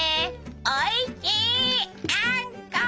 おいしいあんこ！